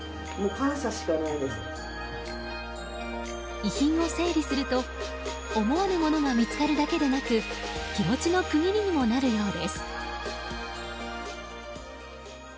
遺品を整理すると思わぬものが見つかるだけでなく気持ちの区切りにもなるようです。